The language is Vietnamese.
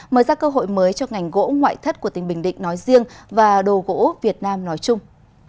mở ra cơ hội mới cho ngành gỗ ngoại thất của tỉnh bình định nói riêng và đồ gỗ việt nam nói chung